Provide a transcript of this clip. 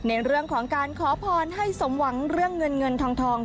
ในเรื่องของการขอพรให้สมหวังเรื่องเงินเงินทอง